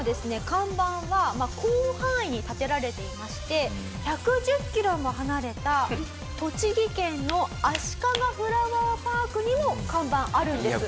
看板は広範囲に立てられていまして１１０キロも離れた栃木県のあしかがフラワーパークにも看板あるんです。